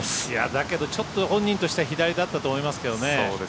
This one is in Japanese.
だけどちょっと本人としては左だったと思いますけどね。